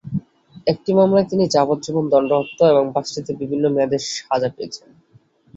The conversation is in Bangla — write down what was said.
একটি মামলায় তিনি যাবজ্জীবন দণ্ডপ্রাপ্ত এবং পাঁচটিতে বিভিন্ন মেয়াদে সাজা পেয়েছেন।